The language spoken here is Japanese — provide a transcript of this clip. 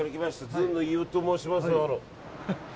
ずんの飯尾と申します。